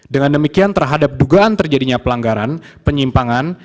dengan demikian terhadap dugaan terjadinya pelanggaran penyimpangan